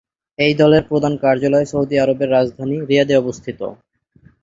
এই দলের প্রধান কার্যালয় সৌদি আরবের রাজধানী রিয়াদে অবস্থিত।